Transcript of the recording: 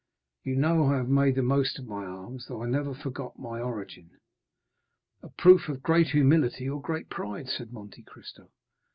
You know I have made the most of my arms, though I never forgot my origin." "A proof of great humility or great pride," said Monte Cristo.